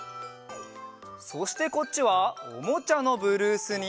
そしてこっちは「おもちゃのブルース」に。